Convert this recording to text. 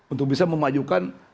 untuk bisa memajukan